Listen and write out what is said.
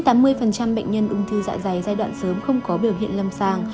tám mươi bệnh nhân ung thư dạ dày giai đoạn sớm không có biểu hiện lâm sàng